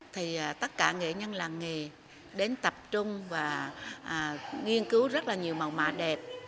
thì tất cả nghệ nhân làng nghề đến tập trung và nghiên cứu rất là nhiều màu mạ đẹp